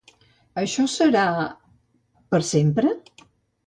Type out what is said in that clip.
Això serà... per sempre?